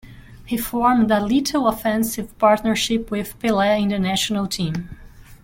He formed a lethal offensive partnership with Pelé in the national team.